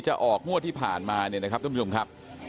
จะออกมั่วที่ผ่านมา